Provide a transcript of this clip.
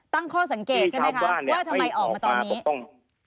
ตั้งข้อสังเกตใช่ไหมคะว่าทำไมออกมาตอนนี้ต้อง